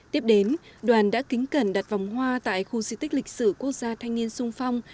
tiếp đến đoàn đã kính cẩn đặt vòng hoa tại khu di tích lịch sử quốc gia thanh niên sung phong